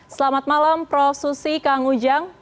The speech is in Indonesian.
selamat malam prof susi kang ujang